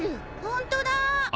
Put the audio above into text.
ホントだ。